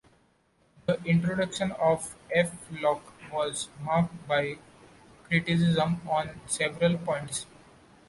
The introduction of F-Lock was marked by criticism on several points.